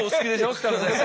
北野先生。